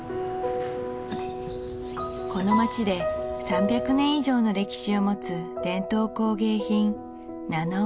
この街で３００年以上の歴史を持つ伝統工芸品